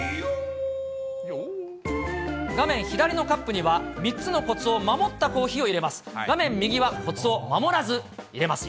画面左のカップには、３つのこつを守ったコーヒーをいれます。